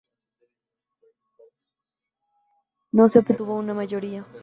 No se obtuvo una mayoría.